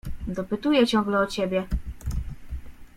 Dopytuje ciągle o ciebie.